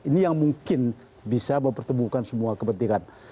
ini yang mungkin bisa mempertemukan semua kepentingan